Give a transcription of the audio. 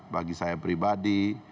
bagi saya pribadi